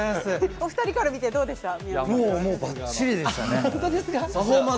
お二人から見てどうでしたか？